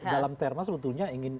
dalam terma sebetulnya ingin